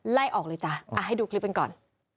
ไล่ออกเลยจ้ะให้ดูคลิปกันก่อน